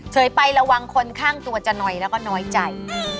เคยไประวังคนข้างตัวจะหน่อยแล้วก็น้อยใจ